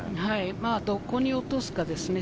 どこに落とすかですね。